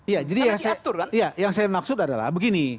ya jadi yang saya maksud adalah begini